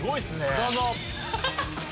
どうぞ！